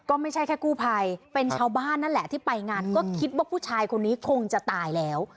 ก็ไม่ใช่แค่กู้ภัยเป็นชาวบ้านนั่นแหละที่ไปงานก็คิดว่าผู้ชายคนนี้คงจะตายแล้ว